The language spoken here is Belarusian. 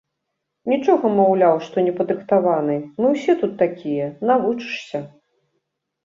Нічога, маўляў, што непадрыхтаваны, мы ўсе тут такія, навучышся.